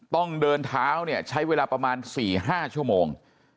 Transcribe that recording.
ต้องเดินเท้าเนี่ยใช้เวลาประมาณ๔๕ชั่วโมง